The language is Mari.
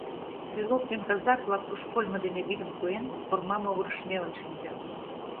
Стрелок ден казак-влак, пушкольмо дене вӱдым куэн, корма могырыш мелын шинчат.